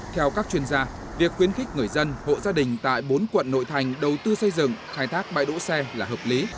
theo các chuyên gia việc khuyến khích người dân hộ gia đình tại bốn quận nội thành đầu tư xây dựng khai thác bãi đỗ xe là hợp lý